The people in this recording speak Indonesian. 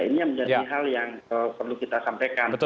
ini yang menjadi hal yang perlu kita sampaikan